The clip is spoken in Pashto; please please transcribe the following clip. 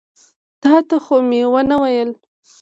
تا ته خو مې ونه ویل.